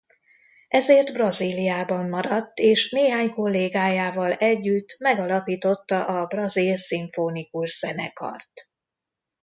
Ezért Brazíliában maradt és néhány kollégájával együtt megalapította a Brazil Szimfonikus Zenekart.